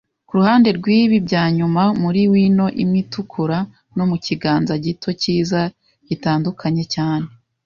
kuruhande rwibi byanyuma, muri wino imwe itukura, no mukiganza gito, cyiza, gitandukanye cyane